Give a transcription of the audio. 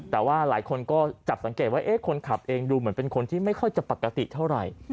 แต่ว่าหลายคนก็จับสังเกตว่าคนขับเองดูเหมือนเป็นคนที่ไม่ค่อยจะปกติเท่าไหร่